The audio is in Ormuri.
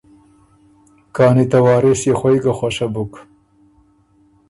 کانی ته وارث يې خوئ ګۀ خوشه بُک،